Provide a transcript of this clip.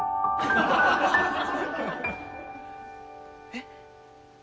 えっ？